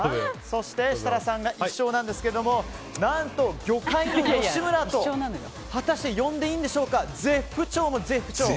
そして、設楽さんが１勝なんですけど何と、魚介の吉村と果たして呼んでいいんでしょうか絶不調も絶不調。